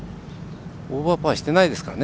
オーバーパーしてないですからね。